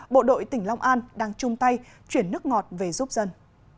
bộ đội tỉnh long an đang chung tay chuyển nước ngọt về giúp dân